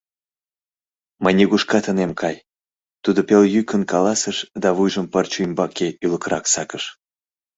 — Мый нигушкат ынем кай, — тудо пел йӱкын каласыш да вуйжым пырче ӱмбаке ӱлыкырак сакыш.